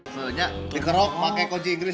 sebenarnya dikerok pakai kunci inggris